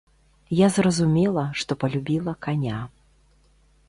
Я зразумела, што палюбіла каня.